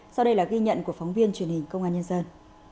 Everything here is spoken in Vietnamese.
sau đây là ghi nhận của phóng viên truyền hình công an nhân dân